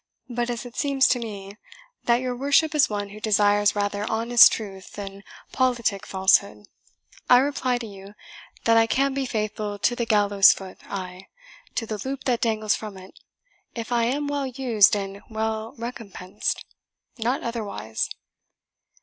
But as it seems to me that your worship is one who desires rather honest truth than politic falsehood, I reply to you, that I can be faithful to the gallows' foot, ay, to the loop that dangles from it, if I am well used and well recompensed not otherwise."